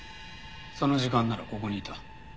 その時間ならここにいた。